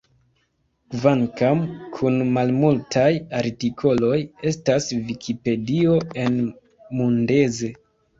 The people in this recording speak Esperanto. Kvankam kun malmultaj artikoloj estas Vikipedio en Mundeze.